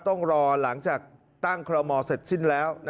ต้องรอหลังจากตั้งคอรมอเสร็จสิ้นแล้ว